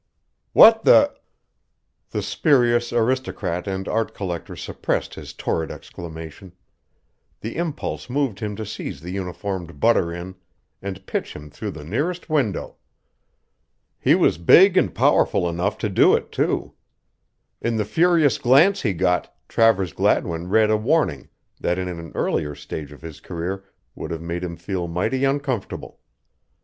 "What the" The spurious aristocrat and art collector suppressed his torrid exclamation. The impulse moved him to seize the uniformed butter in and pitch him through the nearest window. He was big and powerful enough to do it, too. In the furious glance he got, Travers Gladwin read a warning that in an earlier stage of his career would have made him feel mighty uncomfortable.